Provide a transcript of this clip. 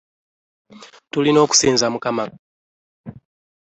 Tulina okusinza mukama katonda.